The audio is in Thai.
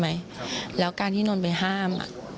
นะแล้วก็ที่เราไปห้าม